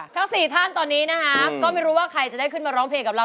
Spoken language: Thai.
ทั้ง๔ท่านตอนนี้นะฮะก็ไม่รู้ว่าใครจะได้ขึ้นมาร้องเพลงกับเรา